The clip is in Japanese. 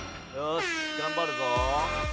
よし頑張るぞ。